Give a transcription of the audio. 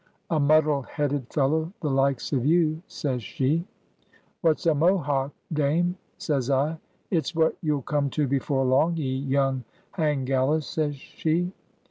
'A muddle headed fellow the likes of you,' says she. 'What's a mohawk, Dame?' says I. 'It's what you'll come to before long, ye young hang gallus,' says she.